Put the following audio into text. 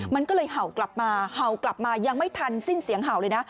มันก็เลยเห่ากลับมาเห่ากลับมายังไม่ทันสิ้นเสียงเห่าเลยนะ